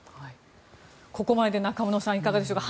ここまでで中室さんいかがでしょうか。